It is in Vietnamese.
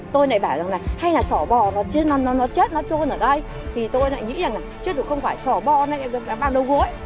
tôi lại bảo rằng là hay là sỏ bò nó chết nó trôn ở đây thì tôi lại nghĩ rằng là chết rồi không phải sỏ bò này nó vào đầu gối